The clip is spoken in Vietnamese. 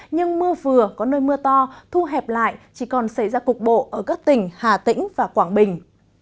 nhưng mưa vừa có nơi mưa to thu hẹp lại chỉ còn xảy ra cục bộ ở các tỉnh hà tĩnh và quảng bình